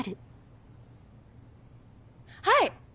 はい！